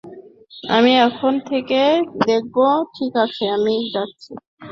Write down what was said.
আমি এখান থেকে দেখব - ঠিক আছে, আমি যাচ্ছি।